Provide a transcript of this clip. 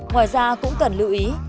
ngoài ra cũng cần lưu ý